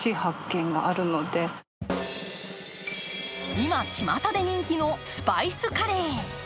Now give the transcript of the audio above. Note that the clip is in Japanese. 今ちまたで人気のスパイスカレー。